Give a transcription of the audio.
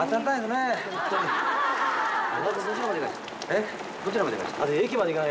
えっ？どちらまでですか？